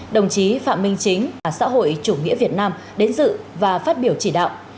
đồng chí phạm minh chính xã hội chủ nghĩa việt nam đến dự và phát biểu chỉ đạo